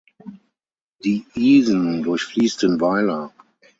Die Isen durchfließt den Weiler.